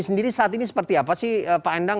sendiri saat ini seperti apa sih pak endang